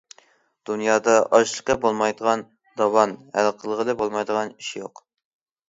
دۇنيادا ئاشقىلى بولمايدىغان داۋان، ھەل قىلغىلى بولمايدىغان ئىش يوق.